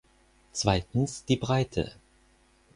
Zweitens die Breite.